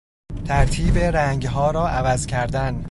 ترتیب رنگها را عوض کردن